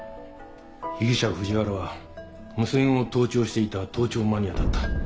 被疑者藤原は無線を盗聴していた盗聴マニアだった。